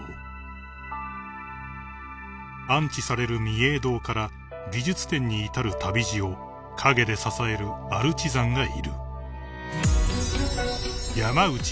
［安置される御影堂から美術展に至る旅路を陰で支えるアルチザンがいる］